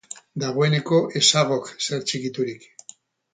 Dagoeneko ez zagok zer txikiturik.